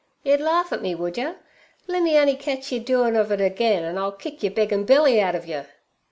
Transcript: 'Ye'd larf at me, would yer? Lemme on'y ketch yer doin' ov it again, an' I'll kick ther beggin' belly out ov yer!'